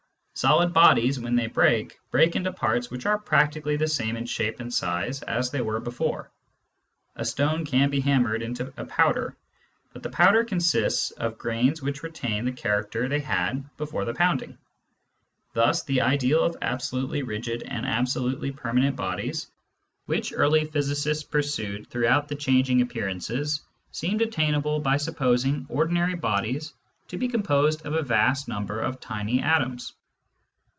Solid bodies, when they break, break into parts which are practically the same in shape and size as they were before. A stone can be hammered into a powder, but the powder consists of grains which retain the character they had before the pounding. Thus the ideal of absolutely rigid and absolutely permanent bodies, which early physi cists pursued throughout the changing appearances, seemed attainable by supposing ordinary bodies to be composed of a vast number of tiny atoms.